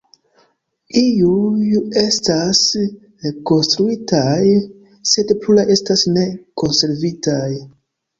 Iuj estas rekonstruitaj, sed pluraj estas ne konservitaj.